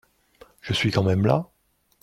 Je suis quand même là.